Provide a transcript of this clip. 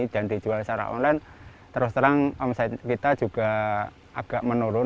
dan dijual secara online terus terang omset kita juga agak menurun